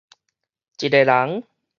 一个人